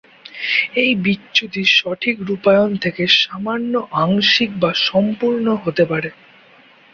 এই বিচ্যুতি সঠিক রূপায়ণ থেকে সামান্য, আংশিক বা সম্পূর্ণ হতে পারে।